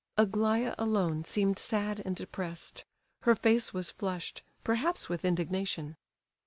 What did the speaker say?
Aglaya alone seemed sad and depressed; her face was flushed, perhaps with indignation.